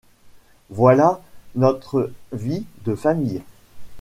Voilà notre vie de famille.